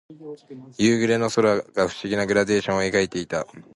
夕暮れの空が不思議なグラデーションを描いていた。